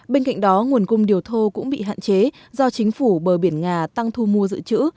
bên cạnh đó nguồn cung điều thô cũng bị hạn chế do chính phủ bờ biển nga tăng thu mua dự trữ